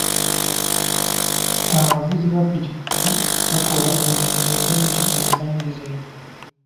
Abavuzi ba ppikipiki bakola obubenje bungi ensangi zino.